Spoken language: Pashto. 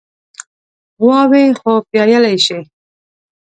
غواوې خو پيايلی شي.